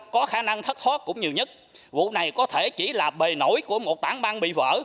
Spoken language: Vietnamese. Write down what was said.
có khả năng thất thoát cũng nhiều nhất vụ này có thể chỉ là bề nổi của một tảng băng bị vỡ